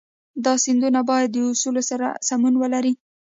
دا سندونه باید د اصولو سره سمون ولري.